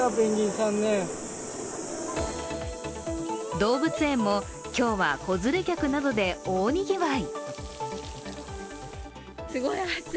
動物園も今日は子連れ客などで大にぎわい。